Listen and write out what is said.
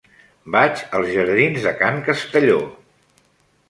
Vaig als jardins de Can Castelló.